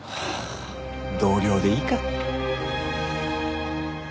同僚でいいか。